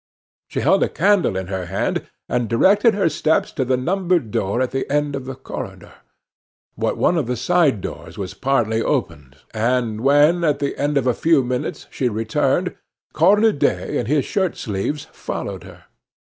She held a candle in her hand, and directed her steps to the numbered door at the end of the corridor. But one of the side doors was partly opened, and when, at the end of a few minutes, she returned, Cornudet, in his shirt sleeves, followed her.